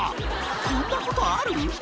こんなことある？